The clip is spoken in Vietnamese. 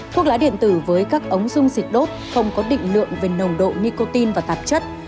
thuốc lá điện tử với các ống dung dịch đốt không có định lượng về nồng độ nicotine và tạp chất